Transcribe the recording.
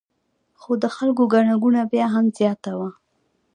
خو د خلکو ګڼه ګوڼه بیا هم ډېره زیاته وه.